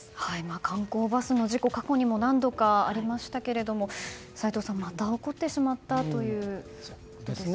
観光バスの事故過去にも何度かありましたが齋藤さんまた起こってしまったという。